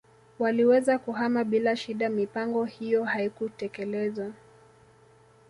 Waliweza kuhama bila shida mipango hiyo haikutekelezwa